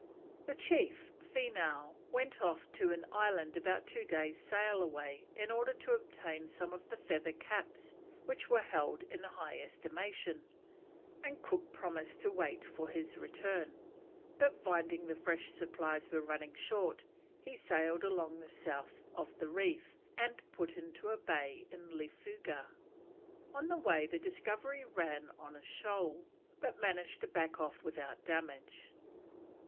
The chief, Feenough, went off to an island about two days' sail away, in order to obtain some of the feather caps which were held in high estimation; and Cook promised to wait for his return, but finding the fresh supplies were running short, he sailed along the south of the reef and put in to a bay in Lefooga. On the way the Discovery ran on a shoal, but managed to back off without damage.